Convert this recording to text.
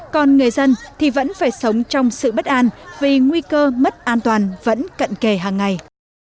còn người dân thì vẫn phải sống trong sự bất an vì nguy cơ mất an toàn vẫn cận kề hàng ngày